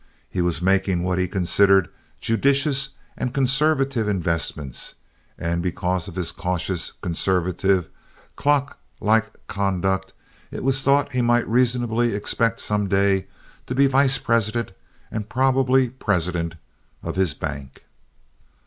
He was making what he considered judicious and conservative investments and because of his cautious, conservative, clock like conduct it was thought he might reasonably expect some day to be vice president and possibly president, of his bank.